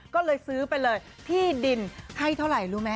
ก็เลยซื้อไปเลยที่ดินให้เท่าไหร่รู้ไหม